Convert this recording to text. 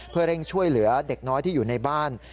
เพื่อเร่งช่วยเหลือเด็กน้อยที่อยู่ในบ้าน